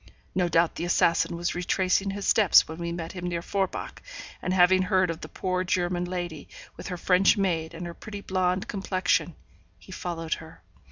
No doubt the assassin was retracing his steps when we met him near Forbach, and having heard of the poor German lady, with her French maid, and her pretty blonde complexion, he followed her.